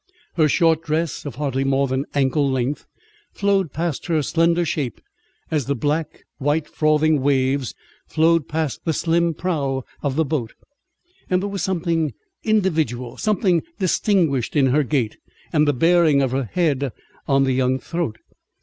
Her short dress, of hardly more than ankle length, flowed past her slender shape as the black, white frothing waves flowed past the slim prow of the boat; and there was something individual, something distinguished in her gait and the bearing of her head on the young throat.